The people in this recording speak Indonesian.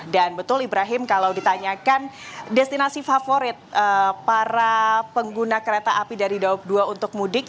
dan betul ibrahim kalau ditanyakan destinasi favorit para pengguna kereta api dari dapdua untuk mudik